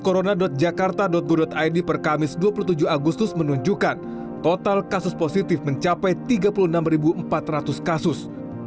corona jakarta go id per kamis dua puluh tujuh agustus menunjukkan total kasus positif mencapai tiga puluh enam empat ratus kasus